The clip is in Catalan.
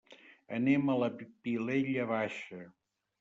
Anem a la Vilella Baixa.